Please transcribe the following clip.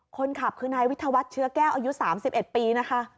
คนขับคือนายวิทยาวัฒน์เชื้อแก้วอายุ๓๑ปีนะคะ